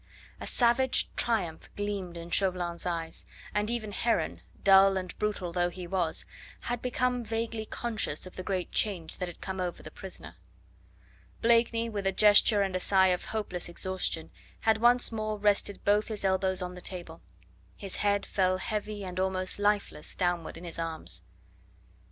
A savage triumph gleamed in Chauvelin's eyes, and even Heron, dull and brutal though he was, had become vaguely conscious of the great change that had come over the prisoner. Blakeney, with a gesture and a sigh of hopeless exhaustion had once more rested both his elbows on the table; his head fell heavy and almost lifeless downward in his arms.